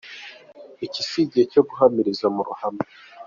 Iki si igihe cyo guhamiriza mu ruhame.